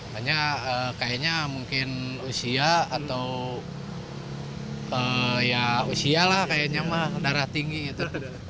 hanya kayaknya mungkin usia atau ya usia lah kayaknya mah darah tinggi itu